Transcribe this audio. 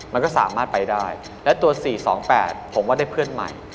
มันก็สามารถไปได้และตัว๔๒๘ผมว่าได้เพื่อนใหม่